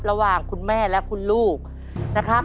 ระหว่างคุณแม่และคุณลูกนะครับ